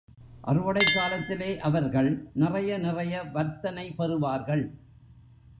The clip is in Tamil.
அறுவடைக் காலத்திலே அவர்கள் நிறைய நிறைய வர்த்தனை பெறுவார்கள்.